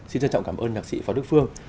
xin trân trọng cảm ơn nhạc sĩ phó đức phương